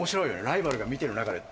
ライバルが見てる中で。